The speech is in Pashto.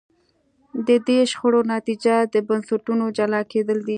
د دې شخړو نتیجه د بنسټونو جلا کېدل دي.